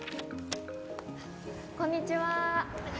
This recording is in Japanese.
こんにちは。